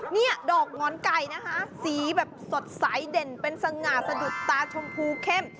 นี่ดอกหงอนไก่นะคะสีแบบสดใสเด่นเป็นสง่าสะดุดตาชมพูเข้ม